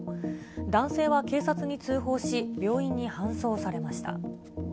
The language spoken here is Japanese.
男性は警察に通報し、病院に搬送されました。